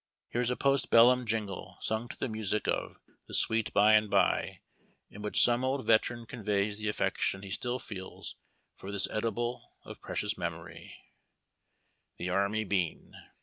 Here is a post bellum jingle sung to the music of "The Sweet By and By," in which some old veteran conveys the affection he still feels for this edible of precious memory: — THE ARMY BEAX.